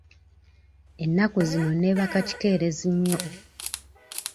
Ennaku zino neebaka kikeerezi nnyo.